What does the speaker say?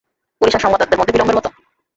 Police আর সংবাদদাতাদের মধ্যে বিলম্বের মতো।